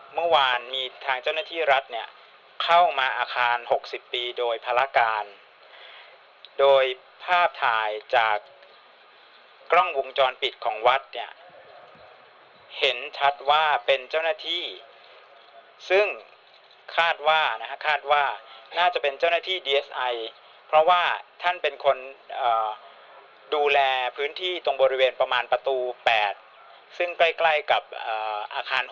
เมื่อวานมีทางเจ้าหน้าที่รัฐเนี่ยเข้ามาอาคาร๖๐ปีโดยภารการโดยภาพถ่ายจากกล้องวงจรปิดของวัดเนี่ยเห็นชัดว่าเป็นเจ้าหน้าที่ซึ่งคาดว่านะฮะคาดว่าน่าจะเป็นเจ้าหน้าที่ดีเอสไอเพราะว่าท่านเป็นคนดูแลพื้นที่ตรงบริเวณประมาณประตู๘ซึ่งใกล้ใกล้กับอาคาร๖